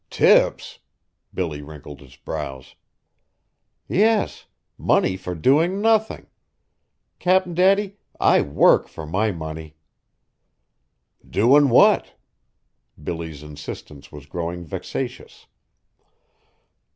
"Tips?" Billy wrinkled his brows. "Yes. Money for doing nothing. Cap'n Daddy, I work for my money." "Doin' what?" Billy's insistence was growing vexatious.